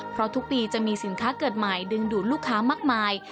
เพราะทุกปีจะมีสินค้าเกิดใหม่ดึงดูดลูกค้ามากมาย